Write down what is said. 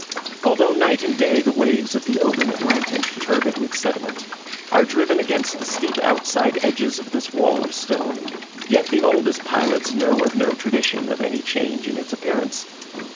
Although night and day the waves of the open Atlantic, turbid with sediment, are driven against the steep outside edges of this wall of stone, yet the oldest pilots know of no tradition of any change in its appearance.